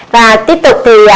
và tiếp tục thì